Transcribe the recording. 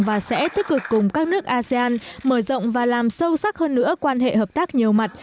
và sẽ tích cực cùng các nước asean mở rộng và làm sâu sắc hơn nữa quan hệ hợp tác nhiều mặt